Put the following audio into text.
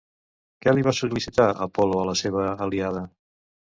Què li va sol·licitar Apol·lo a la seva aliada?